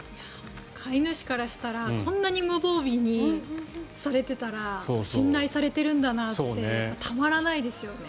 飼い主からしたらこんなに無防備にされてたら信頼されてるんだなってたまらないですよね。